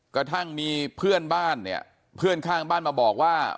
กระทั่งมีเพื่อนบ้านเนี่ยเพื่อนข้างบ้านมาบอกว่า